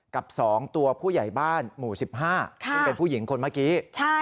กับ๒ตัวผู้ใหญ่บ้านหมู่๑๕ซึ่งเป็นผู้หญิงคนเมื่อกี้